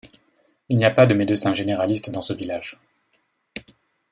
Il n'y a pas de médecin généraliste dans ce village.